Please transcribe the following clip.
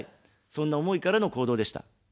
そんな思いからの行動でした。